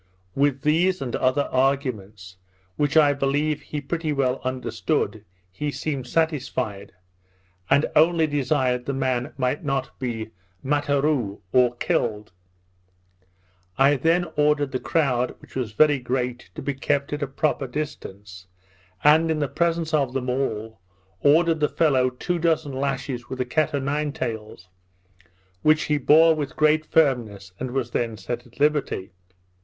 With these and other arguments, which I believe he pretty well understood, he seemed satisfied, and only desired the man might not be Matterou (or killed). I then ordered the crowd, which was very great, to be kept at a proper distance, and, in the presence of them all, ordered the fellow two dozen lashes with a cat o' nine tails, which he bore with great firmness, and was then set at liberty.